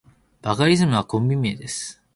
バカリズムはコンビ名です。